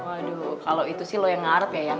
aduh kalo itu sih lo yang ngarep ya yanti